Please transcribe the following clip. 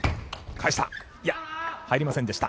返した！